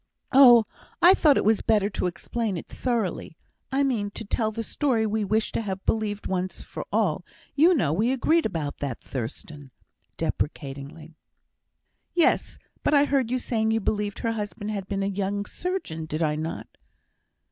"Oh! I thought it was better to explain it thoroughly I mean, to tell the story we wished to have believed once for all you know we agreed about that, Thurstan?" deprecatingly. "Yes; but I heard you saying you believed her husband had been a young surgeon, did I not?"